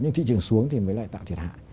nhưng thị trường xuống thì mới lại tạo thiệt hại